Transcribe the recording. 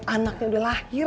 anaknya udah lahir